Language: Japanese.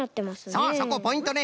そうそこポイントね。